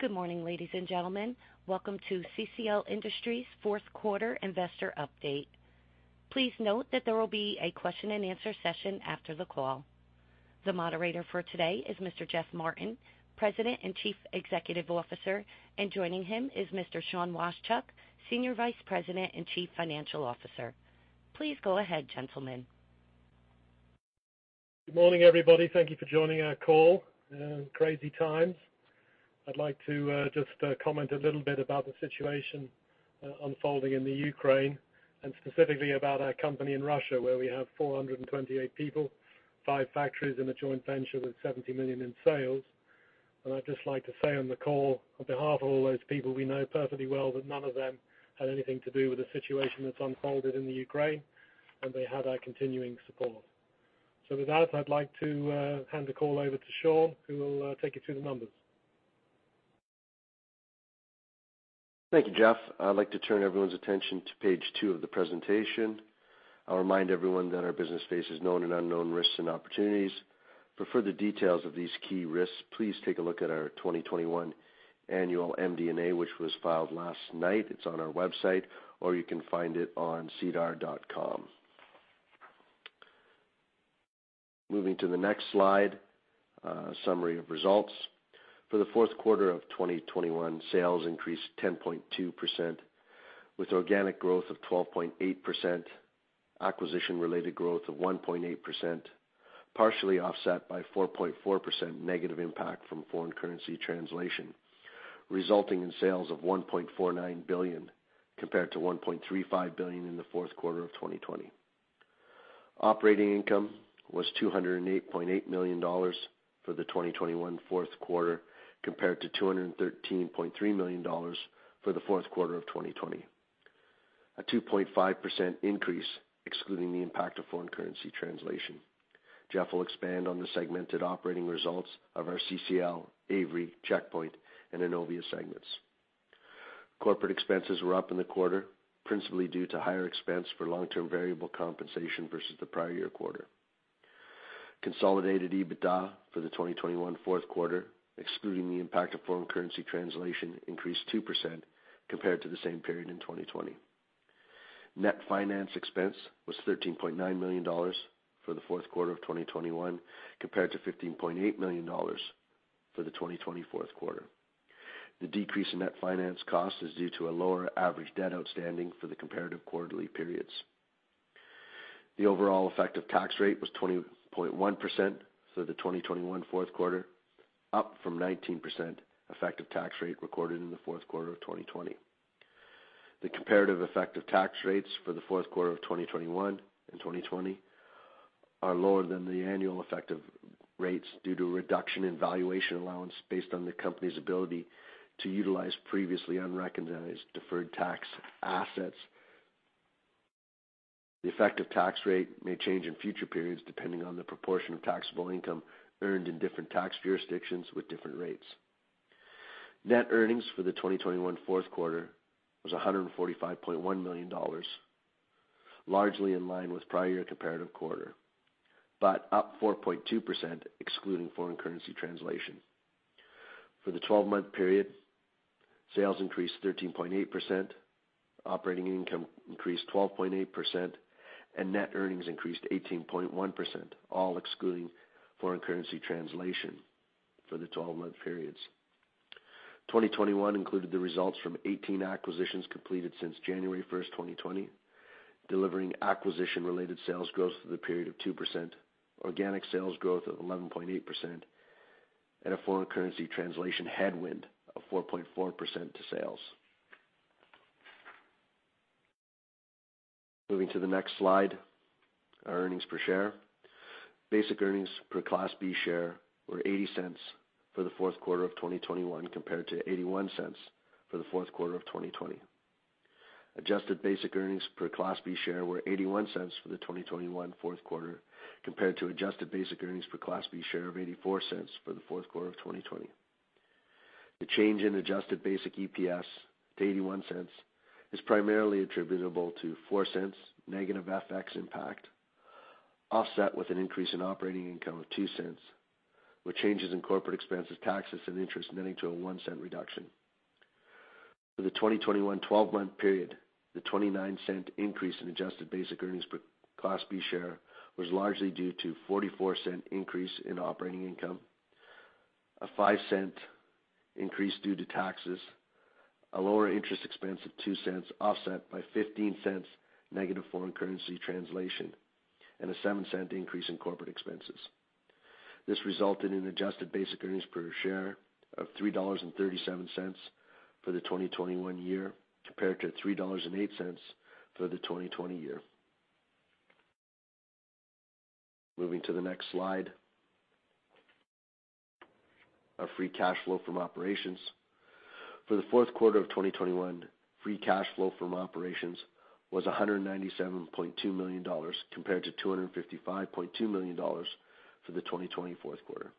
Good morning, ladies and gentlemen. Welcome to CCL Industries Fourth Quarter Investor Update. Please note that there will be a Q&A session after the call. The moderator for today is Mr. Geoff Martin, President and Chief Executive Officer, and joining him is Mr. Sean Washchuk, Senior Vice President and Chief Financial Officer. Please go ahead, gentlemen. Good morning, everybody. Thank you for joining our call. Crazy times. I'd like to just comment a little bit about the situation unfolding in the Ukraine, and specifically about our company in Russia, where we have 428 people, five factories in a joint venture with 70 million in sales. I'd just like to say on the call, on behalf of all those people, we know perfectly well that none of them had anything to do with the situation that's unfolded in the Ukraine, and they have our continuing support. With that, I'd like to hand the call over to Sean, who will take you through the numbers. Thank you, Geoff. I'd like to turn everyone's attention to page two of the presentation. I'll remind everyone that our business faces known and unknown risks and opportunities. For further details of these key risks, please take a look at our 2021 annual MD&A, which was filed last night. It's on our website, or you can find it on sedar.com. Moving to the next slide, summary of results. For the fourth quarter of 2021, sales increased 10.2% with organic growth of 12.8%, acquisition-related growth of 1.8%, partially offset by 4.4% negative impact from foreign currency translation, resulting in sales of 1.49 billion compared to 1.35 billion in the fourth quarter of 2020. Operating income was 208.8 million dollars for the 2021 fourth quarter compared to 213.3 million dollars for the fourth quarter of 2020, a 2.5% increase, excluding the impact of foreign currency translation. Geoff will expand on the segmented operating results of our CCL, Avery, Checkpoint, and Innovia segments. Corporate expenses were up in the quarter, principally due to higher expense for long-term variable compensation versus the prior year quarter. Consolidated EBITDA for the 2021 fourth quarter, excluding the impact of foreign currency translation, increased 2% compared to the same period in 2020. Net finance expense was 13.9 million dollars for the fourth quarter of 2021, compared to 15.8 million dollars for the 2020 fourth quarter. The decrease in net finance cost is due to a lower average debt outstanding for the comparative quarterly periods. The overall effective tax rate was 20.1% for the 2021 fourth quarter, up from 19% effective tax rate recorded in the fourth quarter of 2020. The comparative effective tax rates for the fourth quarter of 2021 and 2020 are lower than the annual effective rates due to reduction in valuation allowance based on the company's ability to utilize previously unrecognized deferred tax assets. The effective tax rate may change in future periods, depending on the proportion of taxable income earned in different tax jurisdictions with different rates. Net earnings for the 2021 fourth quarter was 145.1 million dollars, largely in line with prior year comparative quarter, but up 4.2% excluding foreign currency translation. For the 12-month period, sales increased 13.8%, operating income increased 12.8%, and net earnings increased 18.1%, all excluding foreign currency translation for the 12-month periods. 2021 included the results from 18 acquisitions completed since January 1st, 2020, delivering acquisition-related sales growth through the period of 2%, organic sales growth of 11.8%, and a foreign currency translation headwind of 4.4% to sales. Moving to the next slide, our earnings per share. Basic earnings per Class B share were 0.80 for the fourth quarter of 2021 compared to 0.81 for the fourth quarter of 2020. Adjusted basic earnings per Class B share were 0.81 for the 2021 fourth quarter compared to adjusted basic earnings per Class B share of 0.84 for the fourth quarter of 2020. The change in adjusted basic EPS to 0.81 is primarily attributable to 0.04 negative FX impact, offset with an increase in operating income of 0.02, with changes in corporate expenses, taxes, and interest netting to a 0.01 reduction. For the 2021 12-month period, the 0.29 increase in adjusted basic earnings per Class B share was largely due to 0.44 increase in operating income, a 0.05 increase due to taxes, a lower interest expense of 0.02 offset by 0.15 negative foreign currency translation, and a 0.07 increase in corporate expenses. This resulted in adjusted basic earnings per share of 3.37 dollars for the 2021 year, compared to 3.08 dollars for the 2020 year. Moving to the next slide. Our Free Cash Flow from operations. For the fourth quarter of 2021, Free Cash Flow from operations was 197.2 million dollars compared to 255.2 million dollars for the 2020 fourth quarter.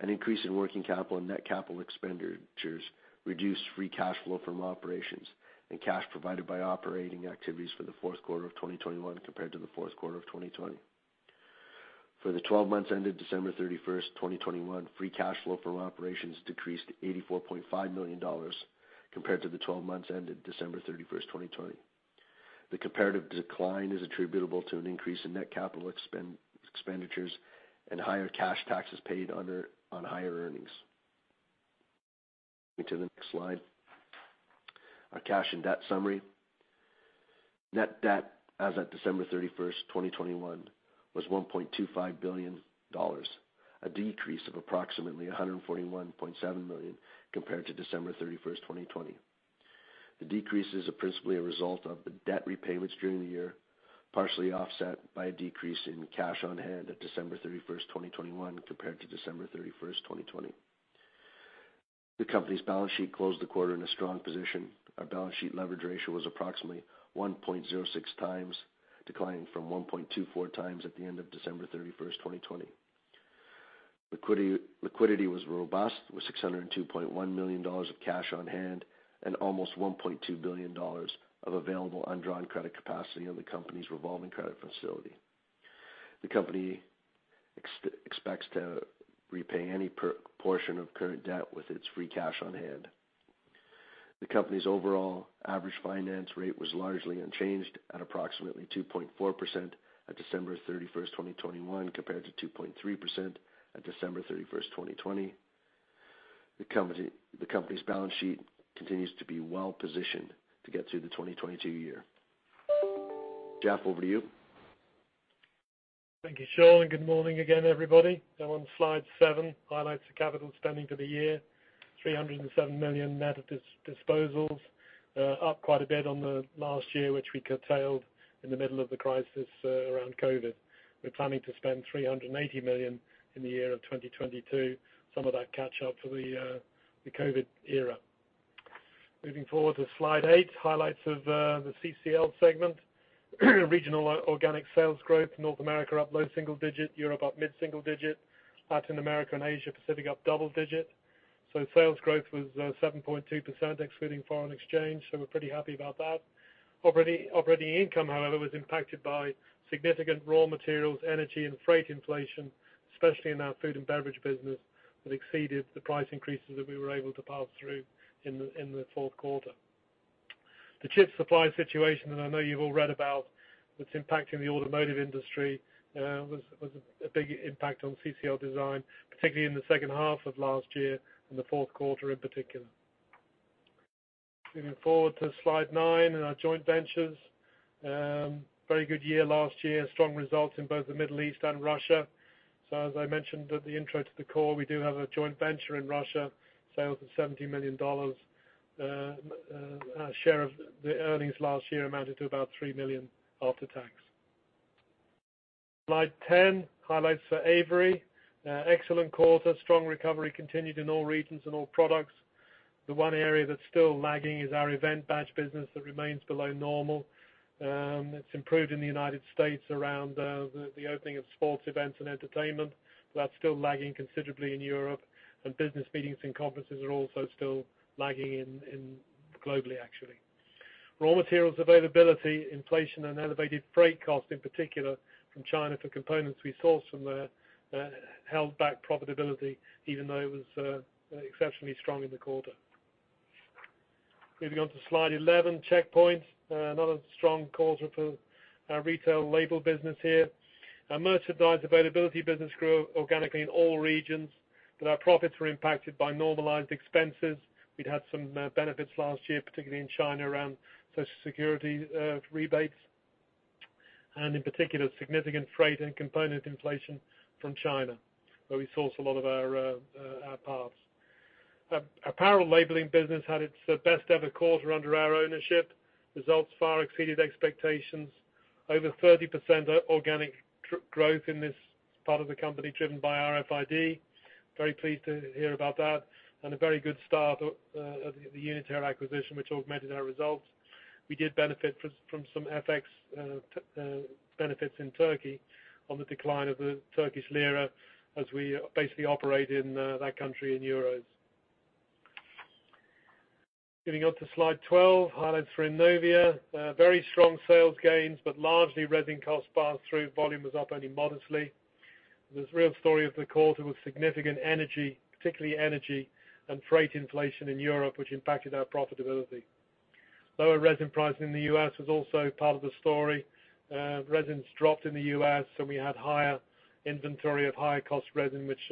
An increase in working capital and net capital expenditures reduced Free Cash Flow from operations and cash provided by operating activities for the fourth quarter of 2021 compared to the fourth quarter of 2020. For the 12 months ended December 31st, 2021, Free Cash Flow from operations decreased 84.5 million dollars compared to the 12 months ended December 31st, 2020. The comparative decline is attributable to an increase in net capital expenditures and higher cash taxes paid on higher earnings. Moving to the next slide. Our cash and debt summary. Net debt as of December 31st, 2021 was 1.25 billion dollars, a decrease of approximately 141.7 million compared to December 31st, 2020. The decrease is principally a result of the debt repayments during the year, partially offset by a decrease in cash on hand at December 31st, 2021, compared to December 31st, 2020. The company's balance sheet closed the quarter in a strong position. Our balance sheet leverage ratio was approximately 1.06 times, declining from 1.24 times at the end of December 31st, 2020. Liquidity was robust with 602.1 million dollars of cash on hand and almost 1.2 billion dollars of available undrawn credit capacity on the company's revolving credit facility. The company expects to repay any portion of current debt with its free cash on hand. The company's overall average finance rate was largely unchanged at approximately 2.4% at December 31st, 2021, compared to 2.3% at December 31st, 2020. The company's balance sheet continues to be well positioned to get through the 2022 year. Geoff, over to you. Thank you, Sean, and good morning again, everybody. Now on slide seven, highlights of capital spending for the year. 307 million net disposals, up quite a bit on the last year, which we curtailed in the middle of the crisis around COVID. We're planning to spend 380 million in the year of 2022, some of that catch up for the COVID era. Moving forward to slide eight, highlights of the CCL segment. Regional organic sales growth, North America up low single-digit, Europe up mid-single digit, Latin America and Asia Pacific up double-digit. Sales growth was 7.2%, excluding foreign exchange, so we're pretty happy about that. Operating income, however, was impacted by significant raw materials, energy and freight inflation, especially in our food and beverage business, that exceeded the price increases that we were able to pass through in the fourth quarter. The chip supply situation that I know you've all read about that's impacting the automotive industry was a big impact on CCL Design, particularly in the second half of last year and the fourth quarter in particular. Moving forward to slide nine, in our joint ventures. Very good year last year. Strong results in both the Middle East and Russia. As I mentioned at the intro to the core, we do have a joint venture in Russia. Sales of 70 million dollars. Our share of the earnings last year amounted to about 3 million after tax. Slide 10, highlights for Avery. Excellent quarter. Strong recovery continued in all regions and all products. The one area that's still lagging is our event badge business that remains below normal. It's improved in the United States around the opening of sports events and entertainment. That's still lagging considerably in Europe. Business meetings and conferences are also still lagging globally, actually. Raw materials availability, inflation, and elevated freight costs, in particular from China for components we source from there, held back profitability even though it was exceptionally strong in the quarter. Moving on to slide 11, Checkpoint. Another strong quarter for our retail label business here. Our merchandise availability business grew organically in all regions, but our profits were impacted by normalized expenses. We'd had some benefits last year, particularly in China, around social security rebates, and in particular, significant freight and component inflation from China, where we source a lot of our parts. Our apparel labeling business had its best ever quarter under our ownership. Results far exceeded expectations. Over 30% organic growth in this part of the company driven by RFID. Very pleased to hear about that. A very good start of the Uniter acquisition, which augmented our results. We did benefit from some FX benefits in Turkey on the decline of the Turkish lira as we basically operate in that country in euros. Getting on to slide 12, highlights for Innovia. Very strong sales gains, but largely resin cost pass-through. Volume was up only modestly. The real story of the quarter was significant energy, particularly energy and freight inflation in Europe, which impacted our profitability. Lower resin pricing in the U.S. was also part of the story. Resins dropped in the U.S., so we had higher inventory of higher cost resin, which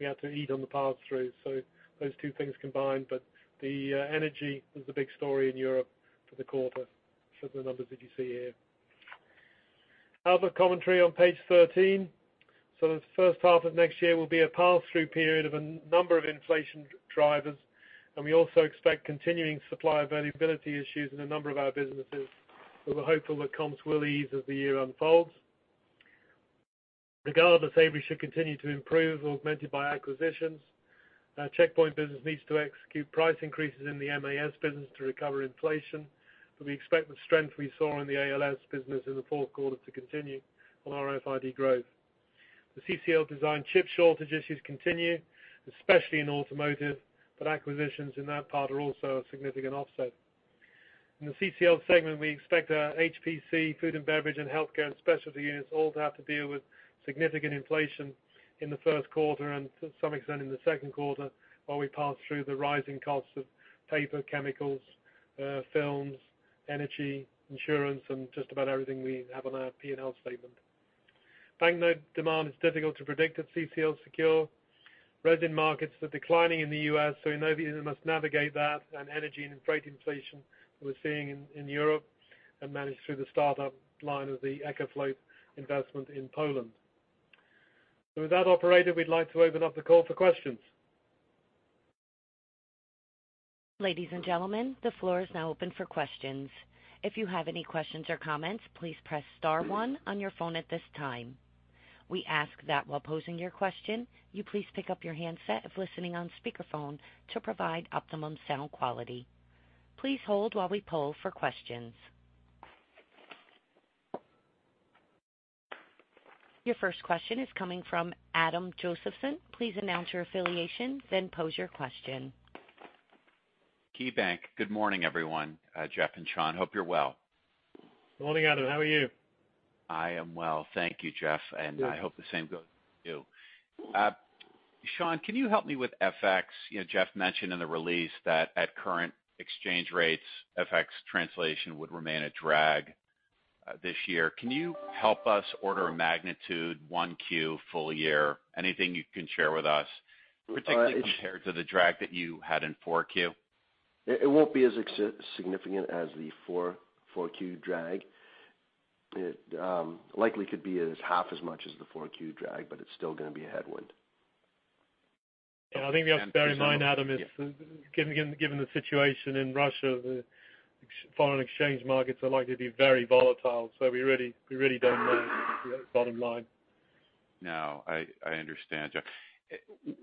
we had to eat on the pass-through. Those two things combined. The energy was the big story in Europe for the quarter for the numbers that you see here. Outlook commentary on page 13. The first half of next year will be a pass-through period of a number of inflation drivers. We also expect continuing supply availability issues in a number of our businesses. We're hopeful that comps will ease as the year unfolds. Regardless, Avery should continue to improve, augmented by acquisitions. Our Checkpoint business needs to execute price increases in the MAS business to recover inflation, but we expect the strength we saw in the ALS business in the fourth quarter to continue on RFID growth. The CCL Design chip shortage issues continue, especially in automotive, but acquisitions in that part are also a significant offset. In the CCL segment, we expect our HPC, food and beverage and healthcare and specialty units all to have to deal with significant inflation in the first quarter and to some extent in the second quarter, while we pass through the rising costs of paper, chemicals, films, energy, insurance, and just about everything we have on our P&L statement. Banknote demand is difficult to predict at CCL Secure. Resin markets are declining in the U.S., so Innovia must navigate that and energy and freight inflation we're seeing in Europe and manage through the startup line of the EcoFloat investment in Poland. With that operator, we'd like to open up the call for questions. Ladies and gentlemen, the floor is now open for questions. If you have any questions or comments, please press star one on your phone at this time. We ask that while posing your question, you please pick up your handset if listening on speakerphone to provide optimum sound quality. Please hold while we poll for questions. Your first question is coming from Adam Josephson. Please announce your affiliation, then pose your question. KeyBanc. Good morning, everyone. Geoff and Sean, hope you're well. Morning, Adam. How are you? I am well, thank you, Geoff, and I hope the same goes for you. Sean, can you help me with FX? You know, Geoff mentioned in the release that at current exchange rates, FX translation would remain a drag this year. Can you help us order of magnitude, 1Q full year, anything you can share with us, particularly compared to the drag that you had in 4Q? It won't be as significant as the 4Q drag. It likely could be half as much as the 4Q drag, but it's still gonna be a headwind. Yeah. I think we have to bear in mind, Adam, given the situation in Russia, the foreign exchange markets are likely to be very volatile, so we really don't know the bottom line. No, I understand, Geoff.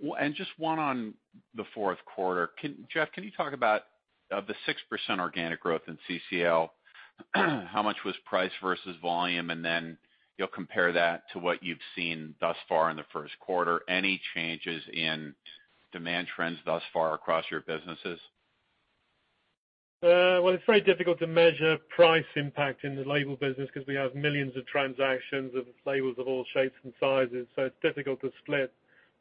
Well, just one on the fourth quarter. Geoff, can you talk about, of the 6% organic growth in CCL, how much was price versus volume? Then you'll compare that to what you've seen thus far in the first quarter. Any changes in demand trends thus far across your businesses? Well, it's very difficult to measure price impact in the label business because we have millions of transactions of labels of all shapes and sizes, so it's difficult to split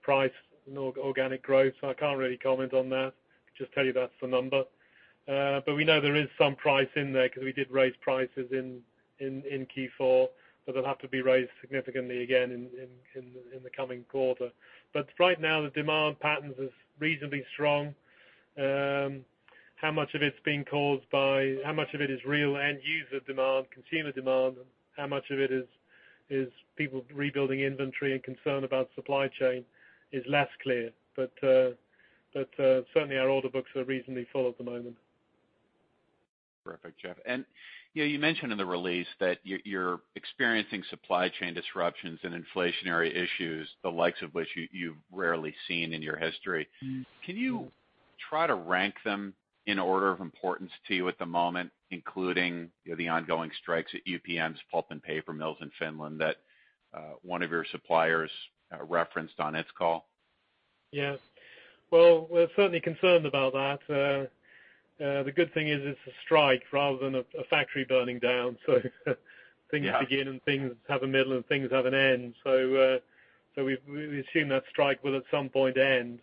price and organic growth, so I can't really comment on that. Just tell you that's the number. But we know there is some price in there because we did raise prices in Q4, but they'll have to be raised significantly again in the coming quarter. But right now, the demand patterns is reasonably strong. How much of it's being caused by how much of it is real end user demand, consumer demand, how much of it is people rebuilding inventory and concern about supply chain is less clear. But certainly our order books are reasonably full at the moment. Perfect, Geoff. You know, you mentioned in the release that you're experiencing supply chain disruptions and inflationary issues, the likes of which you've rarely seen in your history. Can you try to rank them in order of importance to you at the moment, including the ongoing strikes at UPM's Pulp and Paper mills in Finland that one of your suppliers referenced on its call? Yes. Well, we're certainly concerned about that. The good thing is it's a strike rather than a factory burning down. Things begin and things have a middle and things have an end. We assume that strike will at some point end.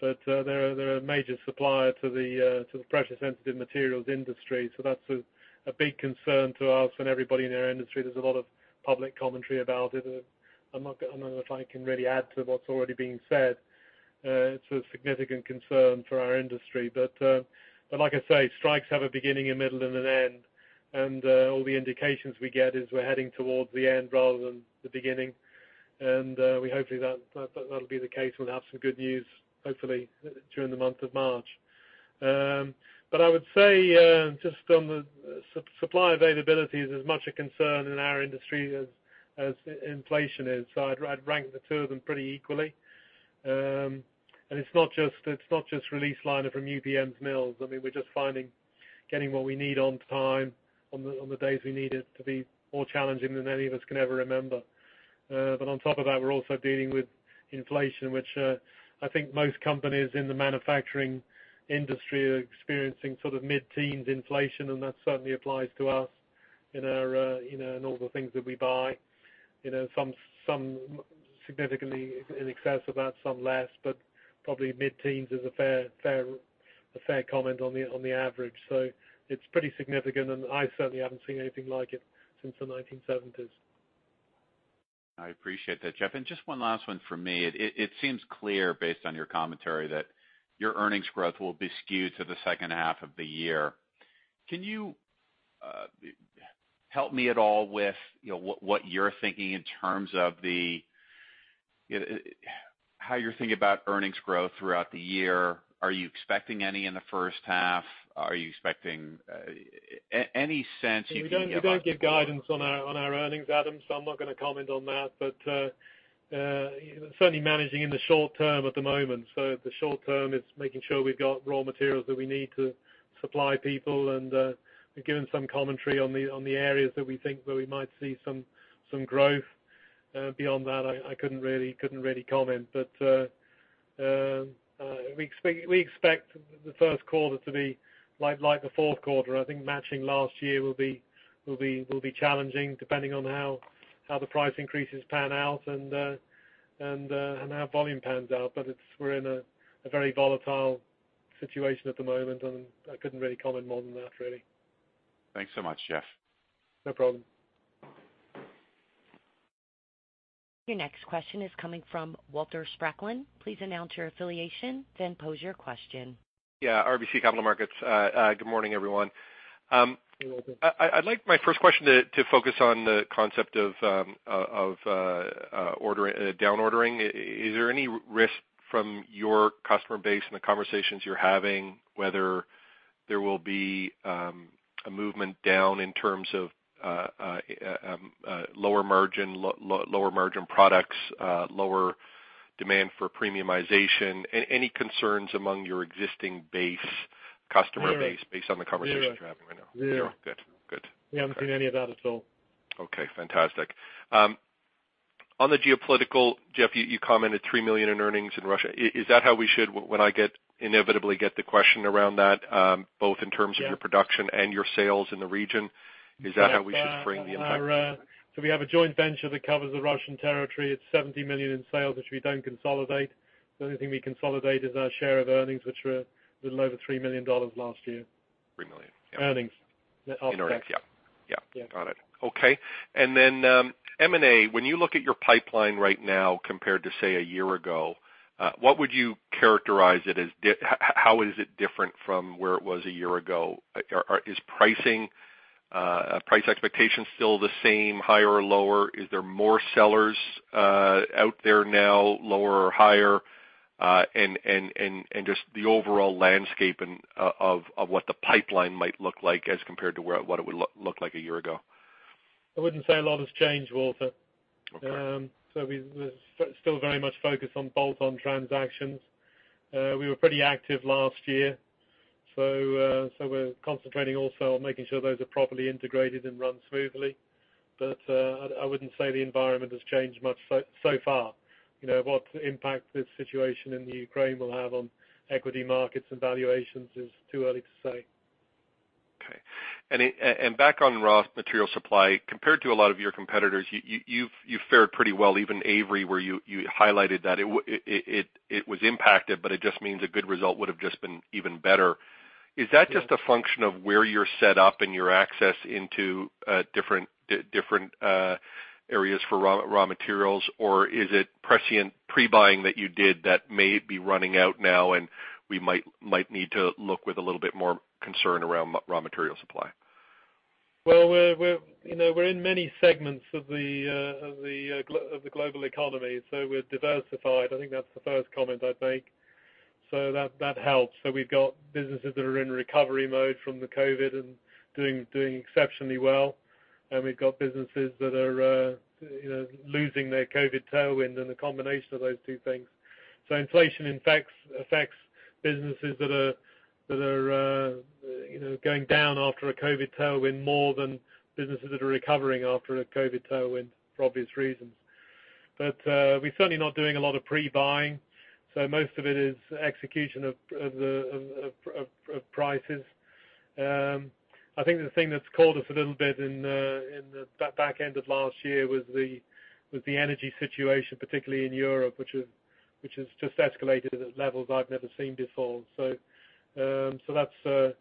They're a major supplier to the pressure-sensitive materials industry. That's a big concern to us and everybody in our industry. There's a lot of public commentary about it. I'm not, I don't know if I can really add to what's already been said. It's a significant concern for our industry. Like I say, strikes have a beginning, a middle, and an end. All the indications we get is we're heading towards the end rather than the beginning. We hopefully that that'll be the case. We'll have some good news, hopefully, during the month of March. I would say just on the supply availabilities is as much a concern in our industry as inflation is. I'd rank the two of them pretty equally. It's not just release liner from UPM's mills. I mean, we're just finding that getting what we need on time on the days we need it to be more challenging than any of us can ever remember. On top of that, we're also dealing with inflation, which I think most companies in the manufacturing industry are experiencing sort of mid-teens inflation, and that certainly applies to us in our you know, in all the things that we buy. You know, some significantly in excess of that, some less, but probably mid-teens is a fair comment on the average. It's pretty significant, and I certainly haven't seen anything like it since the 1970s. I appreciate that, Geoff. Just one last one for me. It seems clear based on your commentary that your earnings growth will be skewed to the second half of the year. Can you help me at all with what you're thinking in terms of how you're thinking about earnings growth throughout the year? Are you expecting any in the first half? Are you expecting any sense you can give us? We don't give guidance on our earnings, Adam, so I'm not gonna comment on that. Certainly managing in the short-term at the moment. The short-term is making sure we've got raw materials that we need to supply people. We've given some commentary on the areas that we think where we might see some growth. Beyond that, I couldn't really comment. We expect the first quarter to be like the fourth quarter. I think matching last year will be challenging depending on how the price increases pan out and how volume pans out. We're in a very volatile situation at the moment, and I couldn't really comment more than that, really. Thanks so much, Geoff. No problem. Your next question is coming from Walter Spracklin. Please announce your affiliation, then pose your question. Yeah, RBC Capital Markets. Good morning, everyone. Good morning. I'd like my first question to focus on the concept of down ordering. Is there any risk from your customer base and the conversations you're having, whether there will be a movement down in terms of lower-margin products, lower demand for premiumization? Any concerns among your existing base, customer base. No Based on the conversations you're having right now? No. No? Good. Good. We haven't seen any of that at all. Okay, fantastic. On the geopolitical, Geoff, you commented 3 million in earnings in Russia. Is that how we should when I inevitably get the question around that, both in terms of- Yes... your production and your sales in the region, is that how we should frame the impact? We have a joint venture that covers the Russian territory. It's 70 million in sales, which we don't consolidate. The only thing we consolidate is our share of earnings, which were a little over 3 million dollars last year. 3 million? Yeah. Earnings. In earnings, yeah. Yeah. Yeah. Got it. Okay. M&A, when you look at your pipeline right now compared to, say, a year ago, what would you characterize it as? How is it different from where it was a year ago? Is pricing expectation still the same, higher or lower? Is there more sellers out there now, lower or higher? Just the overall landscape of what the pipeline might look like as compared to what it would look like a year ago. I wouldn't say a lot has changed, Walter. Okay. We're still very much focused on bolt-on transactions. We were pretty active last year, so we're concentrating also on making sure those are properly integrated and run smoothly. I wouldn't say the environment has changed much so far. You know, what impact this situation in the Ukraine will have on equity markets and valuations is too early to say. Okay. Back on raw material supply, compared to a lot of your competitors, you've fared pretty well, even Avery, where you highlighted that. It was impacted, but it just means a good result would have just been even better. Yeah. Is that just a function of where you're set up and your access into different areas for raw materials, or is it prescient pre-buying that you did that may be running out now and we might need to look with a little bit more concern around raw material supply? Well, we're in many segments of the global economy, so we're diversified. I think that's the first comment I'd make. That helps. We've got businesses that are in recovery mode from the COVID and doing exceptionally well. We've got businesses that are losing their COVID tailwind and the combination of those two things. Inflation affects businesses that are going down after a COVID tailwind more than businesses that are recovering after a COVID tailwind for obvious reasons. We're certainly not doing a lot of pre-buying, so most of it is execution of prices. I think the thing that's caught us a little bit in the back end of last year was the energy situation, particularly in Europe, which has just escalated at levels I've never seen before. That's the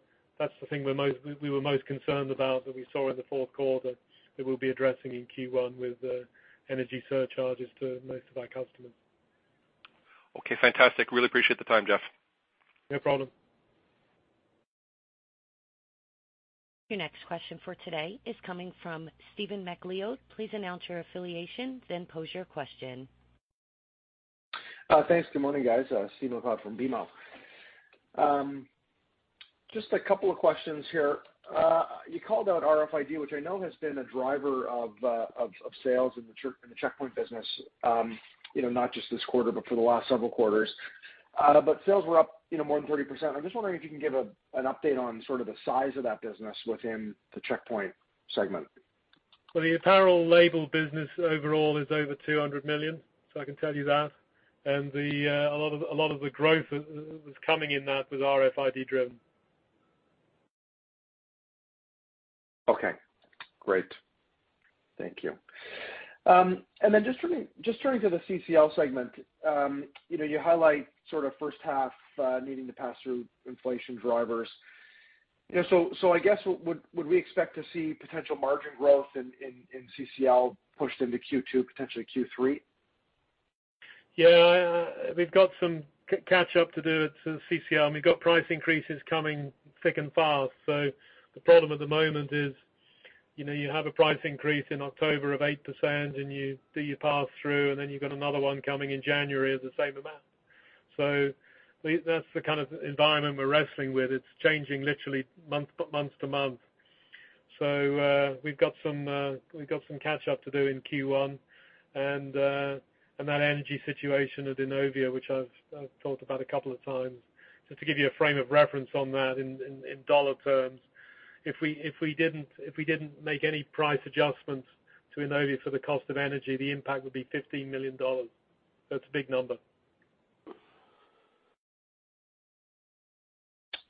thing we were most concerned about that we saw in the fourth quarter that we'll be addressing in Q1 with energy surcharges to most of our customers. Okay, fantastic. Really appreciate the time, Geoff. No problem. Your next question for today is coming from Stephen MacLeod. Please announce your affiliation, then pose your question. Thanks. Good morning, guys. Stephen MacLeod from BMO. Just a couple of questions here. You called out RFID, which I know has been a driver of sales in the Checkpoint business, you know, not just this quarter, but for the last several quarters. But sales were up, you know, more than 30%. I'm just wondering if you can give an update on sort of the size of that business within the Checkpoint segment. Well, the apparel label business overall is over 200 million, so I can tell you that. A lot of the growth is coming in that was RFID driven. Okay, great. Thank you. Just turning to the CCL segment, you know, you highlight sort of first half needing to pass through inflation drivers. You know, so I guess, would we expect to see potential margin growth in CCL pushed into Q2, potentially Q3? Yeah. We've got some catch up to do to the CCL, and we've got price increases coming thick and fast. The problem at the moment is, you know, you have a price increase in October of 8%, and you do your pass through, and then you've got another one coming in January of the same amount. That's the kind of environment we're wrestling with. It's changing literally month to month. We've got some catch up to do in Q1. That energy situation at Innovia, which I've talked about a couple of times, just to give you a frame of reference on that in dollar terms. If we didn't make any price adjustments to Innovia for the cost of energy, the impact would be 15 million dollars. That's a big number.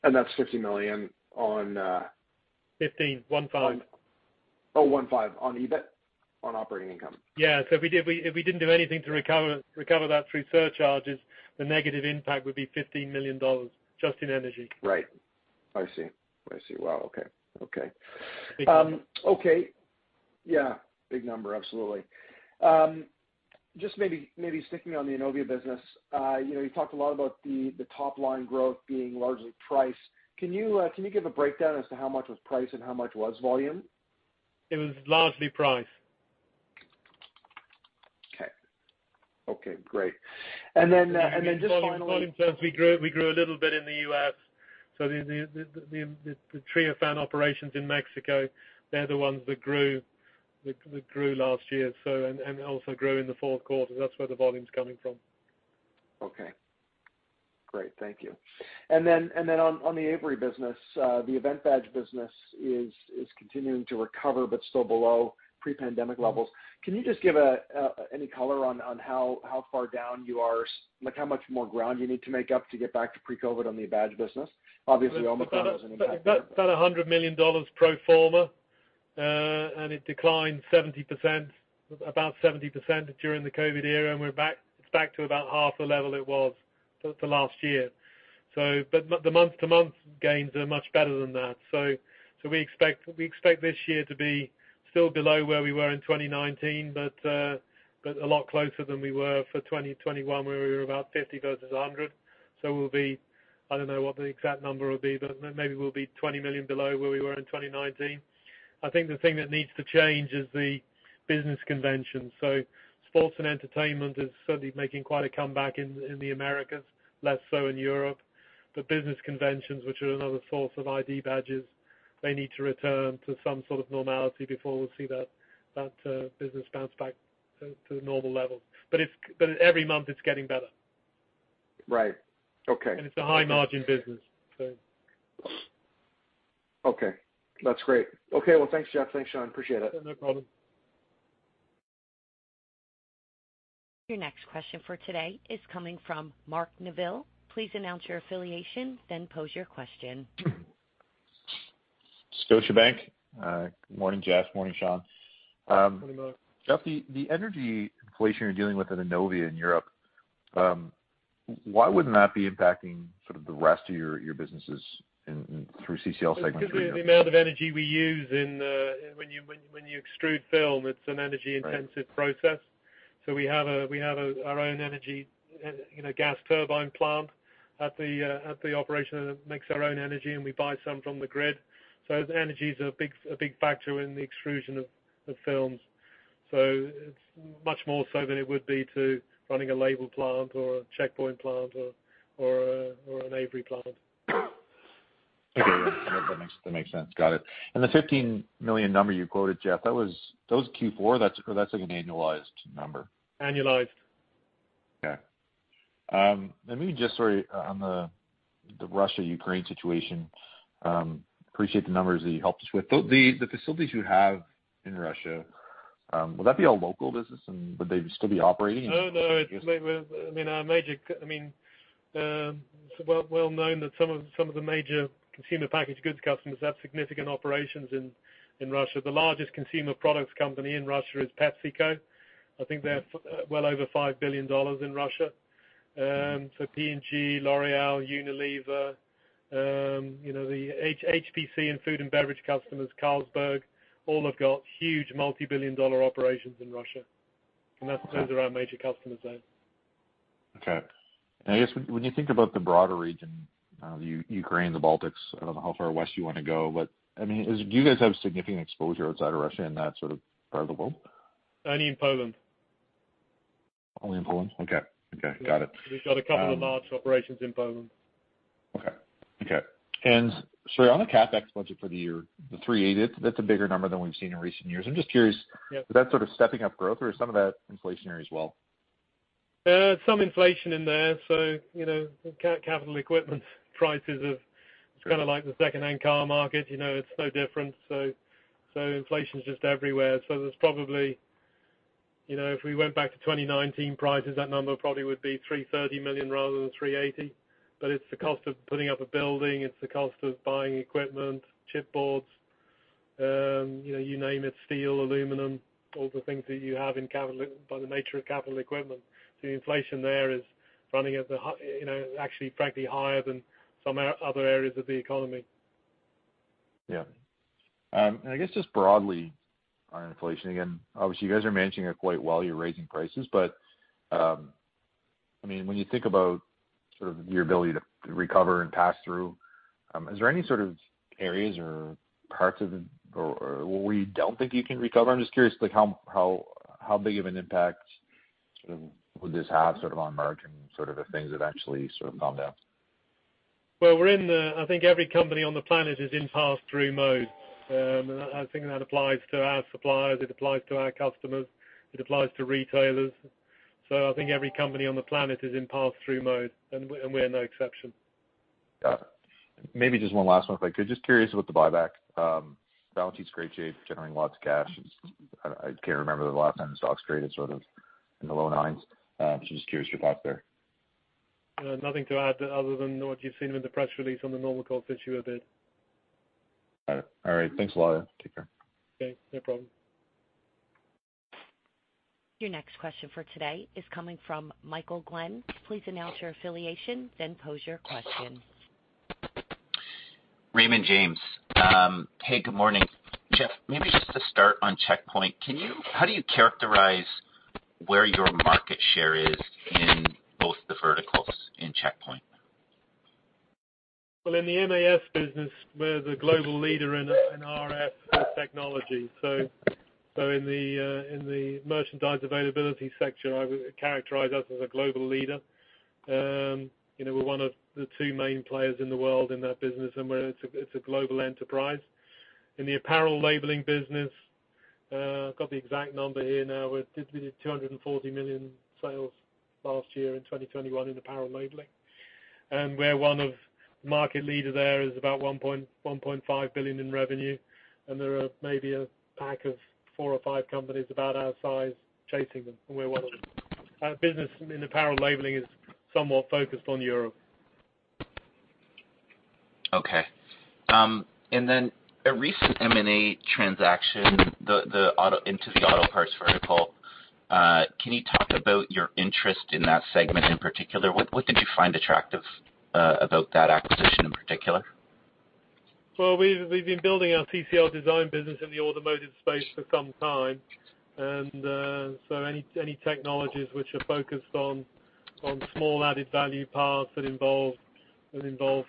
That's 50 million on, 15. Oh, 15 on EBIT? On operating income. If we didn't do anything to recover that through surcharges, the negative impact would be 15 million dollars just in energy. Right. I see. I see. Wow. Okay. Okay. Big number. Okay. Yeah, big number, absolutely. Just maybe sticking on the Innovia business. You know, you talked a lot about the top line growth being largely price. Can you give a breakdown as to how much was price and how much was volume? It was largely price. Okay. Okay, great. Just finally. Volume terms, we grew a little bit in the U.S. The Treofan operations in Mexico, they're the ones that grew last year and also grew in the fourth quarter. That's where the volume's coming from. Okay. Great. Thank you. On the Avery business, the event badge business is continuing to recover but still below pre-pandemic levels. Can you just give any color on how far down you are, like how much more ground you need to make up to get back to pre-COVID on the badge business? Obviously, Omicron was an impact there. It's about 100 million dollars pro forma, and it declined 70% during the COVID era, and it's back to about half the level it was for the last year. We expect this year to be still below where we were in 2019, but a lot closer than we were for 2021, where we were about 50 versus 100. We'll be, I don't know what the exact number will be, but maybe we'll be 20 million below where we were in 2019. I think the thing that needs to change is the business convention. Sports and entertainment is certainly making quite a comeback in the Americas, less so in Europe. The business conventions, which are another source of ID badges, they need to return to some sort of normality before we'll see that business bounce back to normal levels. But every month it's getting better. Right. Okay. It's a high-margin business, so. Okay. That's great. Okay, well, thanks, Geoff. Thanks, Sean. Appreciate it. Yeah, no problem. Your next question for today is coming from Mark Neville. Please announce your affiliation, then pose your question. Scotiabank. Good morning, Geoff. Morning, Sean. Morning, Mark. Geoff, the energy inflation you're dealing with at Innovia in Europe, why wouldn't that be impacting sort of the rest of your businesses in through CCL segment? Because of the amount of energy we use in extruding film, it's an energy-intensive process. We have our own energy, you know, gas turbine plant at the operation that makes our own energy, and we buy some from the grid. Energy's a big factor in the extrusion of films. It's much more so than it would be to running a label plant or a Checkpoint plant or an Avery plant. Okay. Yeah. That makes sense. Got it. The 15 million number you quoted, Geoff, that was Q4. That's or that's like an annualized number. Annualized. Okay. Let me just sort of on the Russia-Ukraine situation, appreciate the numbers that you helped us with. The facilities you have in Russia, would that be a local business and would they still be operating? Oh, no. I mean, our major customers. I mean, it's well known that some of the major consumer packaged goods customers have significant operations in Russia. The largest consumer products company in Russia is PepsiCo. I think they're well over 5 billion dollars in Russia. So P&G, L'Oréal, Unilever, you know, the HPC and food and beverage customers, Carlsberg, all have got huge multi-billion dollar operations in Russia. Those are our major customers there. Okay. I guess when you think about the broader region, the Ukraine, the Baltics, I don't know how far west you wanna go, but I mean, do you guys have significant exposure outside of Russia in that sort of part of the world? Only in Poland. Only in Poland? Okay. Got it. We've got a couple of large operations in Poland. Okay. Sorry, on the CapEx budget for the year, the 380, that's a bigger number than we've seen in recent years. I'm just curious- Yeah. Is that sort of stepping up growth or is some of that inflationary as well? Some inflation in there. You know, capital equipment prices. It's kinda like the secondhand car market, you know, it's no different. Inflation's just everywhere. There's probably, you know, if we went back to 2019 prices, that number probably would be 330 million rather than 380 million. But it's the cost of putting up a building, it's the cost of buying equipment, chipsets, you know, you name it, steel, aluminum, all the things that you have in capital by the nature of capital equipment. The inflation there is running at a high, you know, actually, frankly, higher than some other areas of the economy. Yeah. I guess just broadly on inflation, again, obviously, you guys are managing it quite well. You're raising prices. I mean, when you think about sort of your ability to recover and pass through, is there any sort of areas or parts of it or where you don't think you can recover? I'm just curious, like how big of an impact, sort of, will this have sort of on margin, sort of the things that actually sort of calm down? I think every company on the planet is in pass-through mode. I think that applies to our suppliers. It applies to our customers. It applies to retailers. I think every company on the planet is in pass-through mode, and we're no exception. Got it. Maybe just one last one if I could. Just curious about the buyback. Balance sheet's in great shape, generating lots of cash. I can't remember the last time the stock's traded sort of in the low nines. Just curious about your thoughts there. Nothing to add other than what you've seen in the press release on the normal course issuer bid. All right. Thanks a lot. Take care. Okay, no problem. Your next question for today is coming from Michael Glen. Please announce your affiliation, then pose your question. Raymond James. Hey, good morning. Geoff, maybe just to start on Checkpoint, how do you characterize where your market share is in both the verticals in Checkpoint? Well, in the MAS business, we're the global leader in RF technology. In the merchandise availability sector, I would characterize us as a global leader. You know, we're one of the two main players in the world in that business, and it's a global enterprise. In the apparel labeling business, I've got the exact number here now. We did 240 million sales last year in 2021 in apparel labeling. The market leader there is about 1.5 billion in revenue, and there are maybe a pack of four or five companies about our size chasing them, and we're one of them. Our business in apparel labeling is somewhat focused on Europe. Okay. A recent M&A transaction, the auto into the auto parts vertical, can you talk about your interest in that segment in particular? What did you find attractive about that acquisition in particular? Well, we've been building our CCL Design business in the automotive space for some time. Any technologies which are focused on small added value parts that involve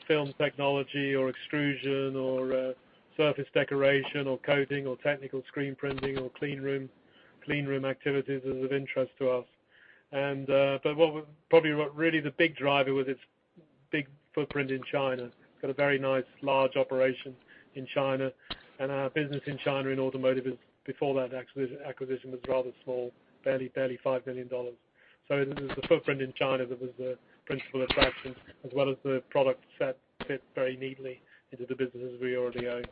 film technology or extrusion or surface decoration or coating or technical screen printing or clean room activities is of interest to us. But probably what really the big driver was its big footprint in China. It's got a very nice large operation in China, and our business in China in automotive, before that acquisition, was rather small, barely 5 million dollars. It was the footprint in China that was the principal attraction, as well as the product set fit very neatly into the businesses we already own.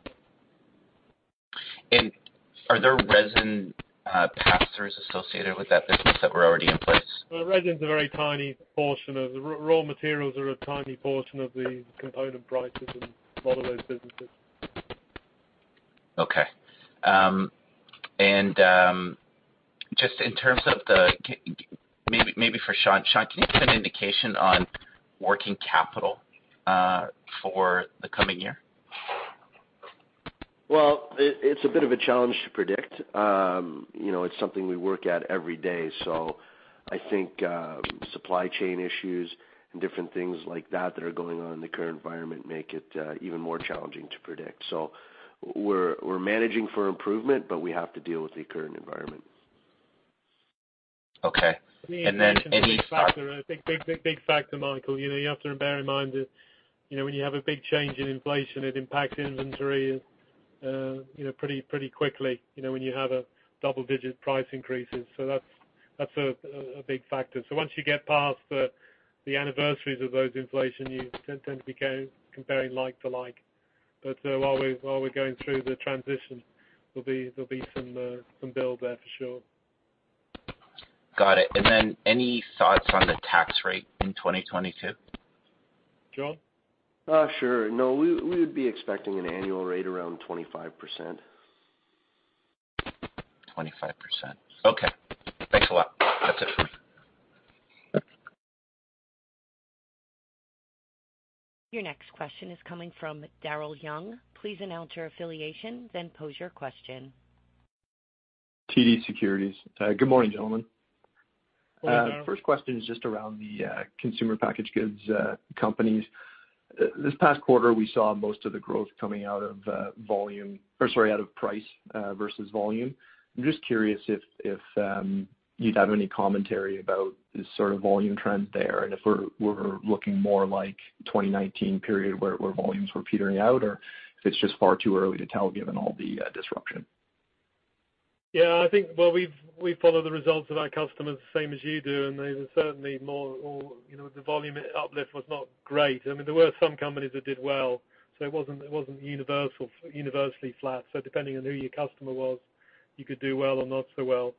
Are there resin pass-throughs associated with that business that were already in place? Well, resin's a very tiny portion of raw materials. Raw materials are a tiny portion of the component prices in a lot of those businesses. Okay. Just in terms of maybe for Sean. Sean, can you give an indication on working capital for the coming year? Well, it's a bit of a challenge to predict. You know, it's something we work at every day. I think, supply chain issues and different things like that are going on in the current environment make it, even more challenging to predict. We're managing for improvement, but we have to deal with the current environment. Okay. Let me add something. A big factor, Michael, you know, you have to bear in mind that, you know, when you have a big change in inflation, it impacts inventory, you know, pretty quickly, you know, when you have double-digit price increases. That's a big factor. Once you get past the anniversaries of those inflation, you tend to be comparing like to like. While we're going through the transition, there'll be some build there for sure. Got it. Any thoughts on the tax rate in 2022? Sean? Sure. No, we would be expecting an annual rate around 25%. 25%. Okay. Thanks a lot. That's it. Your next question is coming from Daryl Young. Please announce your affiliation, then pose your question. TD Securities. Good morning, gentlemen. Morning, Daryl. First question is just around the consumer packaged goods companies. This past quarter, we saw most of the growth coming out of price versus volume. I'm just curious if you'd have any commentary about the sort of volume trend there, and if we're looking more like 2019 period where volumes were petering out or if it's just far too early to tell given all the disruption. I think, well, we follow the results of our customers the same as you do, and they were certainly, you know, the volume uplift was not great. I mean, there were some companies that did well, so it wasn't universally flat. Depending on who your customer was, you could do well or not so well.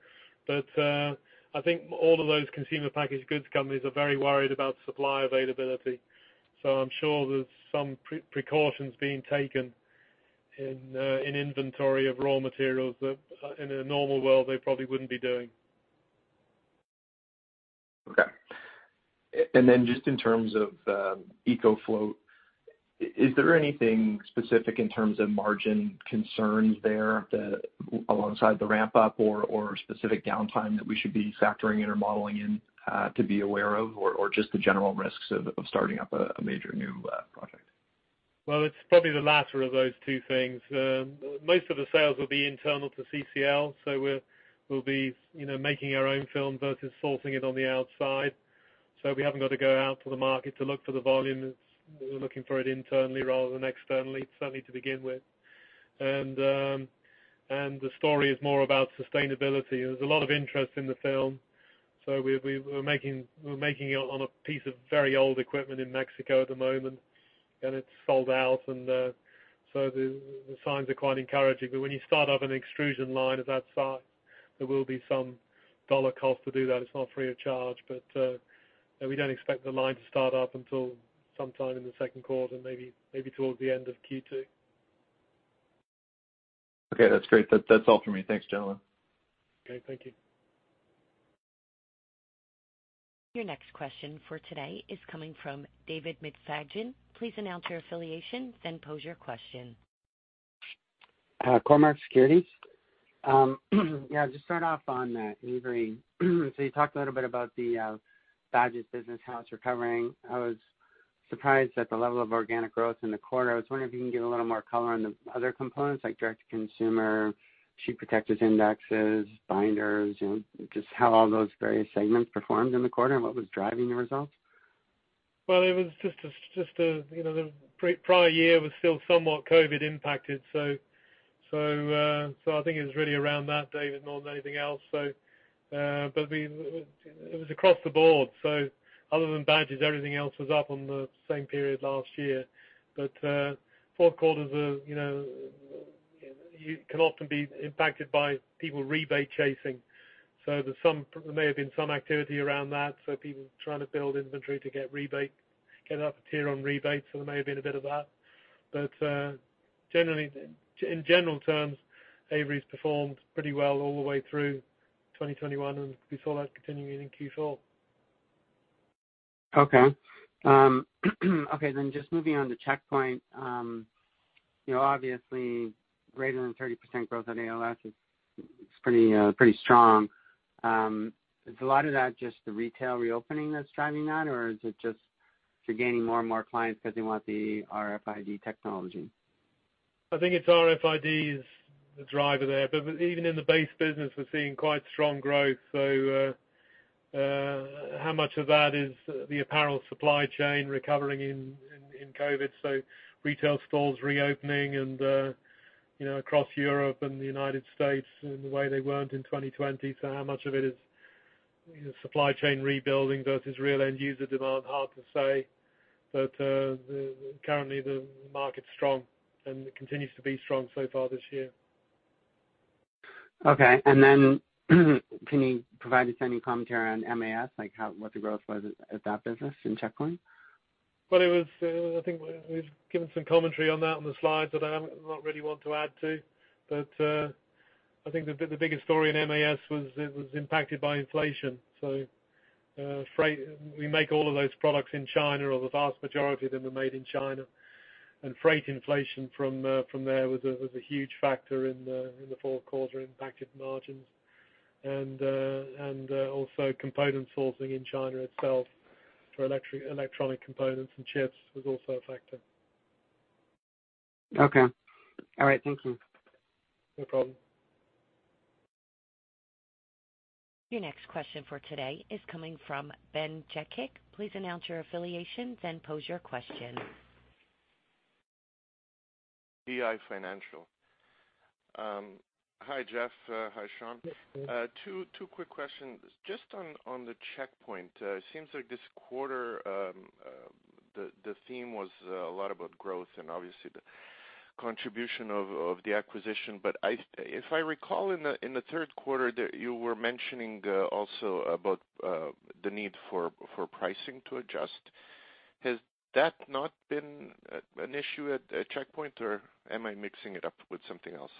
I think all of those consumer packaged goods companies are very worried about supply availability. I'm sure there's some precautions being taken in inventory of raw materials that in a normal world they probably wouldn't be doing. Okay. Just in terms of EcoFloat, is there anything specific in terms of margin concerns there that alongside the ramp up or specific downtime that we should be factoring in or modeling in to be aware of or just the general risks of starting up a major new project? Well, it's probably the latter of those two things. Most of the sales will be internal to CCL, so we'll be, you know, making our own film versus sourcing it on the outside. We haven't got to go out to the market to look for the volume. We're looking for it internally rather than externally, certainly to begin with. The story is more about sustainability. There's a lot of interest in the film, so we're making it on a piece of very old equipment in Mexico at the moment, and it's sold out, and so the signs are quite encouraging. When you start up an extrusion line of that size, there will be some dollar cost to do that. It's not free of charge. We don't expect the line to start up until sometime in the second quarter, maybe towards the end of Q2. Okay, that's great. That's all for me. Thanks, gentlemen. Okay, thank you. Your next question for today is coming from David McFadgen. Please announce your affiliation, then pose your question. Cormark Securities. Yeah, just start off on Avery. You talked a little bit about the badges business, how it's recovering. I was surprised at the level of organic growth in the quarter. I was wondering if you can give a little more color on the other components like direct-to-consumer, sheet protectors, indexes, binders, you know, just how all those various segments performed in the quarter and what was driving the results. It was just a, you know, the pre-prior year was still somewhat COVID impacted. I think it was really around that, David, not anything else. It was across the board. Other than badges, everything else was up on the same period last year. Fourth quarters are, you know, you can often be impacted by people rebate chasing. There may have been some activity around that, so people trying to build inventory to get rebate, get up a tier on rebates. There may have been a bit of that. Generally, in general terms, Avery's performed pretty well all the way through 2021, and we saw that continuing in Q4. Okay, just moving on to Checkpoint. You know, obviously greater than 30% growth at ALS is pretty strong. Is a lot of that just the retail reopening that's driving that, or is it just you're gaining more and more clients 'cause they want the RFID technology? I think it's RFID is the driver there, but even in the base business we're seeing quite strong growth. How much of that is the apparel supply chain recovering in COVID, so retail stores reopening and you know across Europe and the U.S. in the way they weren't in 2020. How much of it is you know supply chain rebuilding versus real end user demand? Hard to say. But currently the market's strong and continues to be strong so far this year. Okay. Can you provide us any commentary on MAS, like what the growth was at that business in Checkpoint? It was, I think we've given some commentary on that on the slides that I don't really want to add to. I think the biggest story in MAS was it was impacted by inflation. Freight. We make all of those products in China, or the vast majority of them are made in China. Freight inflation from there was a huge factor in the fourth quarter, impacted margins. Also component sourcing in China itself for electronic components and chips was also a factor. Okay. All right, thank you. No problem. Your next question for today is coming from Ben Jekic. Please announce your affiliation then pose your question. PI Financial. Hi, Geoff. Hi, Sean. Yes, please. Two quick questions. Just on the Checkpoint, it seems like this quarter, the theme was a lot about growth and obviously the contribution of the acquisition. If I recall in the third quarter that you were mentioning also about the need for pricing to adjust. Has that not been an issue at Checkpoint, or am I mixing it up with something else?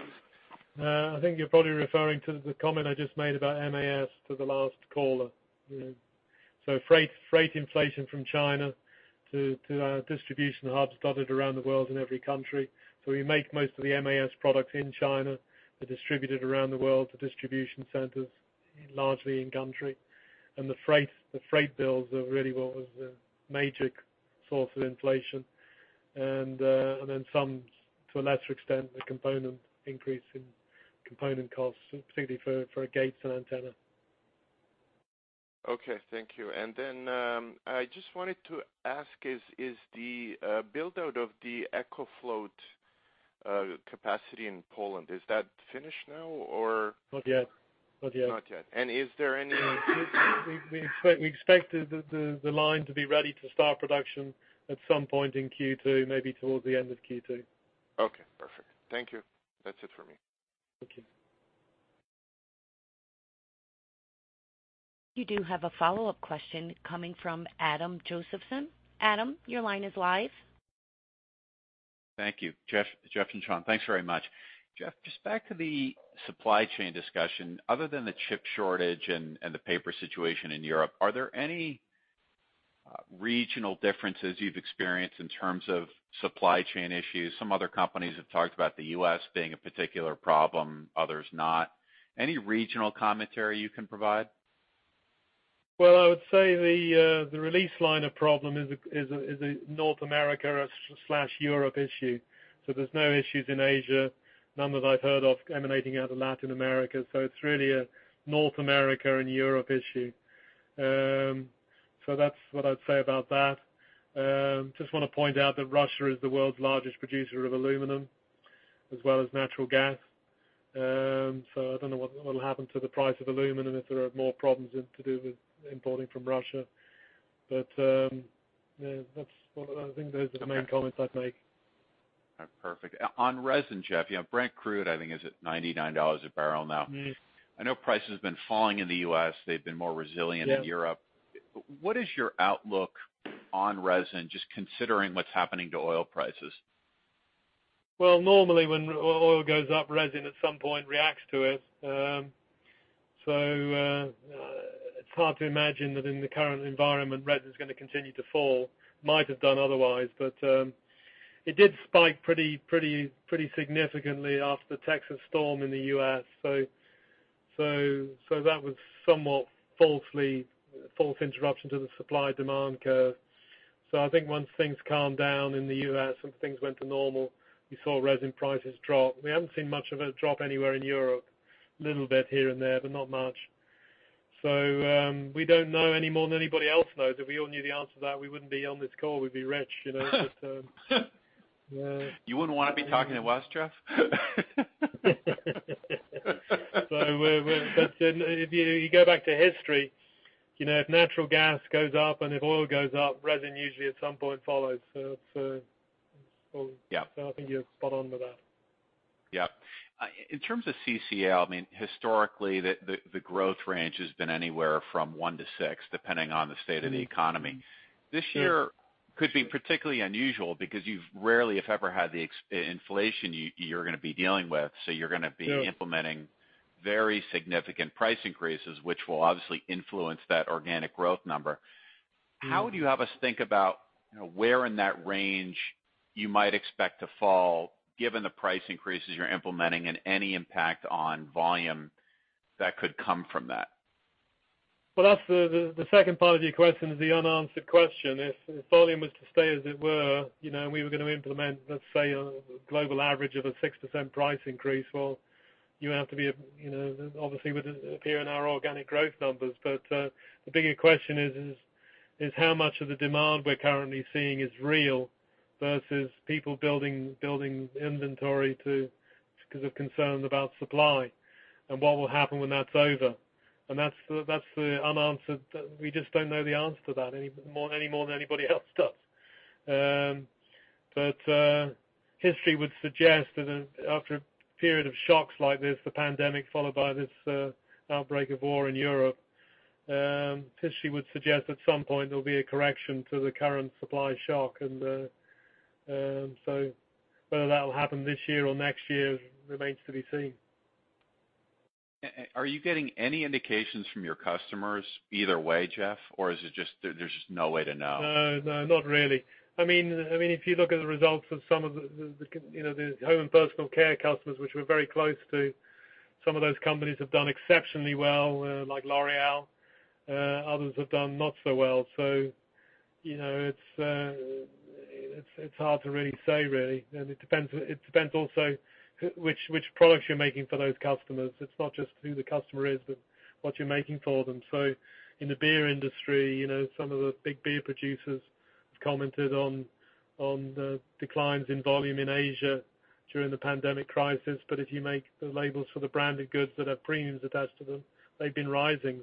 I think you're probably referring to the comment I just made about MAS to the last caller. Freight inflation from China to our distribution hubs dotted around the world in every country. We make most of the MAS products in China. They're distributed around the world to distribution centers, largely in country. The freight bills are really what was the major source of inflation. Then some, to a lesser extent, the component increase in component costs, particularly for gates and antenna. Okay. Thank you. I just wanted to ask, is the build-out of the EcoFloat capacity in Poland finished now or- Not yet. Not yet. Not yet. Is there any? We expect the line to be ready to start production at some point in Q2, maybe towards the end of Q2. Okay, perfect. Thank you. That's it for me. Thank you. You do have a follow-up question coming from Adam Josephson. Adam, your line is live. Thank you. Geoff and Sean, thanks very much. Geoff, just back to the supply chain discussion. Other than the chip shortage and the paper situation in Europe, are there any regional differences you've experienced in terms of supply chain issues? Some other companies have talked about the U.S. being a particular problem, others not. Any regional commentary you can provide? Well, I would say the release liner problem is a North America slash Europe issue. There's no issues in Asia, none that I've heard of emanating out of Latin America, so it's really a North America and Europe issue. That's what I'd say about that. Just wanna point out that Russia is the world's largest producer of aluminum as well as natural gas. I don't know what will happen to the price of aluminum if there are more problems to do with importing from Russia. Yeah, I think those are the main comments I'd make. Okay. Perfect. On resin, Geoff, you know, Brent crude, I think is at $99 a barrel now. Mm-hmm. I know prices have been falling in the U.S., they've been more resilient. Yeah... in Europe. What is your outlook on resin, just considering what's happening to oil prices? Well, normally, when oil goes up, resin at some point reacts to it. It's hard to imagine that in the current environment, resin's gonna continue to fall. Might have done otherwise. It did spike pretty significantly after the Texas storm in the U.S. That was somewhat false interruption to the supply-demand curve. I think once things calm down in the U.S., some things went back to normal, you saw resin prices drop. We haven't seen much of a drop anywhere in Europe, little bit here and there, but not much. We don't know any more than anybody else knows. If we all knew the answer to that, we wouldn't be on this call, we'd be rich, you know? You wouldn't wanna be talking to us, Geoff? That's it. If you go back to history, you know, if natural gas goes up and if oil goes up, resin usually at some point follows. Yeah. I think you're spot on with that. Yeah. In terms of CCL, I mean, historically, the growth range has been anywhere from 1%-6%, depending on the state of the economy. Mm-hmm. This year could be particularly unusual because you've rarely, if ever, had the inflation you're gonna be dealing with. Sure. You're gonna be implementing very significant price increases, which will obviously influence that organic growth number. Mm-hmm. How would you have us think about, you know, where in that range you might expect to fall given the price increases you're implementing and any impact on volume that could come from that? Well, that's the second part of your question is the unanswered question. If volume was to stay as it were, you know, and we were gonna implement, let's say, a global average of a 6% price increase, well, you have to be, you know, obviously would appear in our organic growth numbers. But the bigger question is how much of the demand we're currently seeing is real versus people building inventory because of concern about supply and what will happen when that's over. That's the unanswered. We just don't know the answer to that any more than anybody else does. History would suggest that after a period of shocks like this, the pandemic followed by this outbreak of war in Europe, at some point there'll be a correction to the current supply shock and so whether that'll happen this year or next year remains to be seen. Are you getting any indications from your customers either way, Geoff? Or is it just that there's just no way to know? No, not really. I mean, if you look at the results of some of the you know the home and personal care customers, which we're very close to, some of those companies have done exceptionally well, like L'Oréal. Others have done not so well. You know, it's hard to really say, really. It depends also which products you're making for those customers. It's not just who the customer is, but what you're making for them. In the beer industry, you know, some of the big beer producers have commented on the declines in volume in Asia during the pandemic crisis. If you make the labels for the branded goods that have premiums attached to them, they've been rising.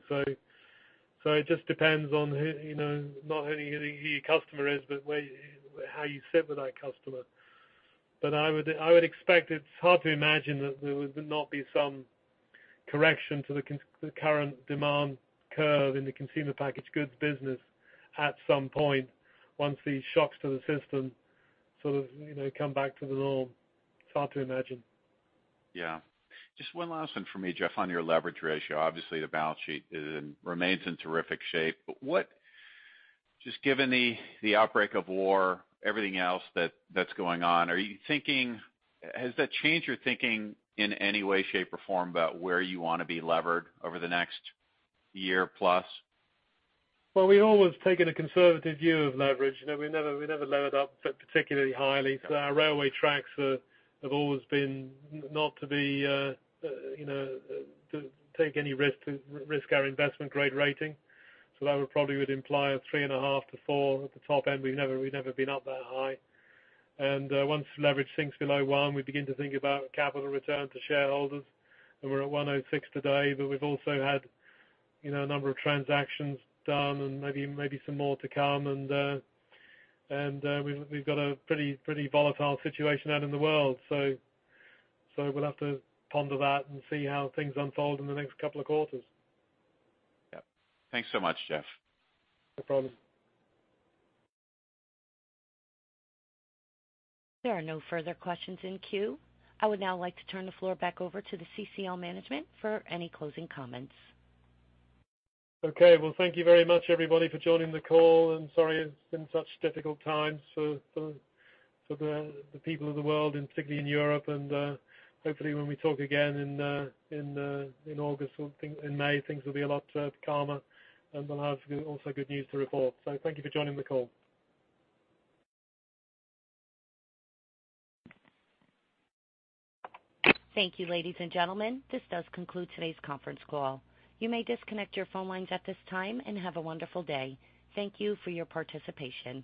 It just depends on who, you know, not only who your customer is, but where how you sit with that customer. I would expect it's hard to imagine that there would not be some correction to the current demand curve in the consumer packaged goods business at some point, once these shocks to the system sort of, you know, come back to the norm. It's hard to imagine. Yeah. Just one last one for me, Geoff, on your leverage ratio. Obviously, the balance sheet remains in terrific shape. Just given the outbreak of war, everything else that's going on, has that changed your thinking in any way, shape, or form about where you wanna be levered over the next year plus? Well, we've always taken a conservative view of leverage. You know, we never levered up particularly highly. Our guardrails have always been not to take any risk to our investment grade rating. That would probably imply a 3.5-4 at the top end. We've never been up that high. Once leverage sinks below one, we begin to think about capital return to shareholders. We're at 1.06 today, but we've also had a number of transactions done and maybe some more to come. We've got a pretty volatile situation out in the world. We'll have to ponder that and see how things unfold in the next couple of quarters. Yep. Thanks so much, Geoff. No problem. There are no further questions in queue. I would now like to turn the floor back over to the CCL management for any closing comments. Okay. Well, thank you very much, everybody, for joining the call, and sorry it's been such difficult times for the people of the world, and particularly in Europe. Hopefully when we talk again in August or in May, things will be a lot calmer, and we'll have also good news to report. Thank you for joining the call. Thank you, ladies and gentlemen. This does conclude today's conference call. You may disconnect your phone lines at this time and have a wonderful day. Thank you for your participation.